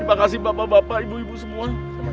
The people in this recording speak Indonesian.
terima kasih bapak bapak ibu ibu semua